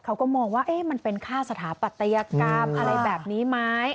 เขาก็มองว่ามันเป็นค่าสถาปัตยกรรมอะไรแบบนี้ไหม